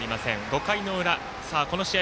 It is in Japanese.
５回の裏、この試合